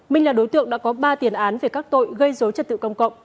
minh là đối tượng đã có ba tiền án về các tội gây dối trật tự công cộng